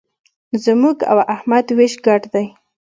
زموږ او احمد وېش ګډ دی.